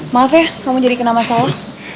maaf ya kamu jadi kena masalah